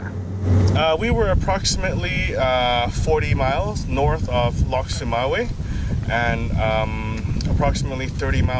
kami berada di wilayah yang terkena dampak gempa